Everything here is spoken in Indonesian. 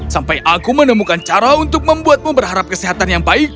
sampai aku menemukan cara untuk membuatmu berharap kesehatan yang baik